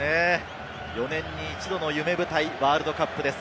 ４年に一度の夢舞台ワールドカップです。